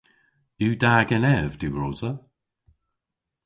Yw da genev diwrosa?